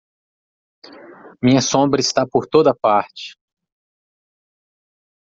Minha sombra está por toda parte.